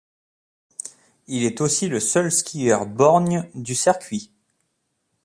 Il est aussi le seul skieur borgne du circuit.